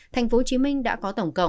tp hcm đã có tổng hợp